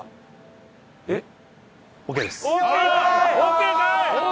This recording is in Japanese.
えっ？